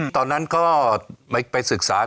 ตอนนั้นก็ไปศึกษา